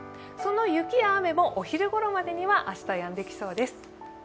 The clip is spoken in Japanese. その雪や雨もお昼ごろまでには明日やんできそうです。